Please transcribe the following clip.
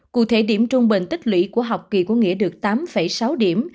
cụ thể điểm trung bình tích lũy của học kỳ của nghĩa được tám sáu điểm